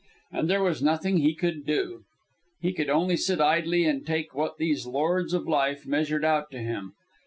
And there was nothing he could do. He could only sit idly and take what these lords of life measured out to him.